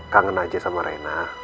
kangen aja sama reina